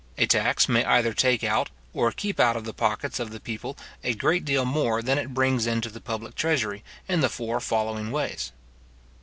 A tax may either take out or keep out of the pockets of the people a great deal more than it brings into the public treasury, in the four following ways.